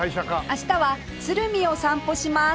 明日は鶴見を散歩します